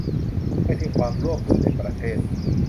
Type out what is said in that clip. ไม่เพียงความร่วมมือในประเทศ